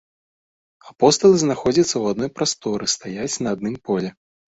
Апосталы знаходзяцца ў адной прасторы, стаяць на адным поле.